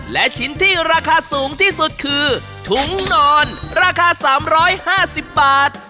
และชิ้นที่ราคาสูงที่สุดคือถุงนอนราคา๓๕๐บาท